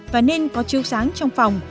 và nên có chiều sáng trong phòng